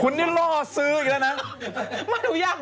คุณนี่ล่อซื้ออีกแล้วนะ